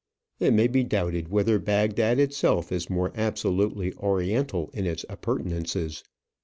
It may be doubted whether Bagdad itself is more absolutely oriental in its appurtenances.